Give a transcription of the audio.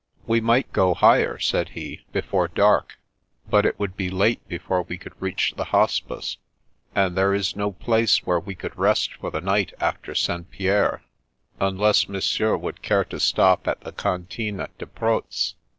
"We might go higher," said he, " before dark, but it would be late before we could reach the Hospice, and there is no place where we could rest for the night after St. Pierre, unless Monsieur wotdd care to stop at the Cantine de Proz."